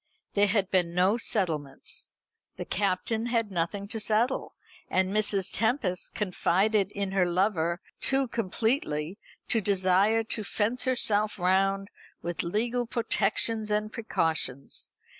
There had been no settlements. The Captain had nothing to settle, and Mrs. Tempest confided in her lover too completely to desire to fence herself round with legal protections and precautions.